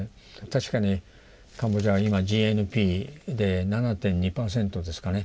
確かにカンボジアは今ＧＮＰで７．２％ですかね。